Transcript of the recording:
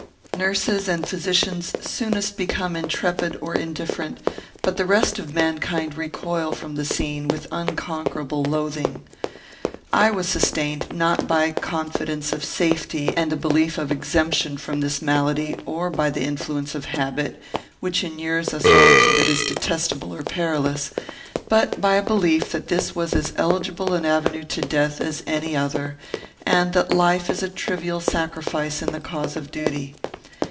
Nurses and physicians soonest become intrepid or indifferent; but the rest of mankind recoil from the scene with unconquerable loathing. I was sustained, not by confidence of safety, and a belief of exemption from this malady, or by the influence of habit, which inures us to all that is detestable or perilous, but by a belief that this was as eligible an avenue to death as any other; and that life is a trivial sacrifice in the cause of duty.